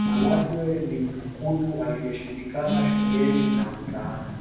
malatwe ni mtukutu aliyeshindikana shuleni na mtaani